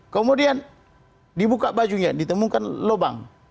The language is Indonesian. kemudian dibuka bajunya ditemukan lubang